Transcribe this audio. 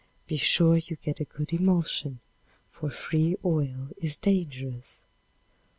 Be sure you get a good emulsion, for free oil is dangerous.